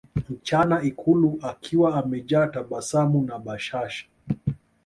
mchana ikulu akiwa amejaa tabasamu na bashasha